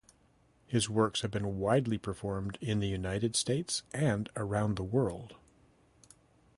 His works have been widely performed in the United States and around the world.